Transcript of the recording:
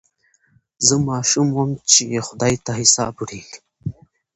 زه ماشوم وم چي یې خدای ته حساب وړی